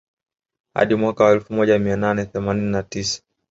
Hadi mwaka wa elfu moja mia nane themanini na tisa